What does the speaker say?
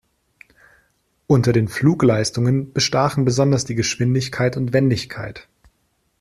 Unter den Flugleistungen bestachen besonders die Geschwindigkeit und Wendigkeit.